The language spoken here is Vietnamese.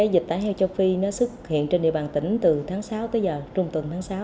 dịch tà lợn châu phi xuất hiện trên địa bàn tỉnh từ tháng sáu tới trung tuần tháng sáu